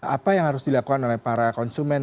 apa yang harus dilakukan oleh para konsumen